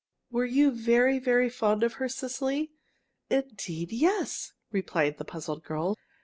"Were you very, very fond of her, Cecily?" "Indeed, yes!" replied the puzzled girl.